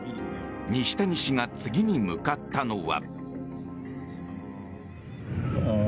西谷氏が次に向かったのは。